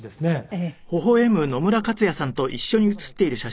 ええ。